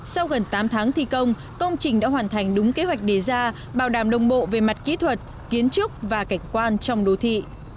sau gần tám tháng thi công công trình đã hoàn thành đúng kế hoạch đề ra bảo đảm đồng bộ về mặt kỹ thuật kiến trúc và cảnh quan trong đô thị